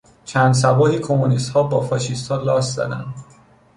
چند صباحی کمونیستها با فاشیستها لاس زدند.